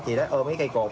chị đã ôm cái cây cột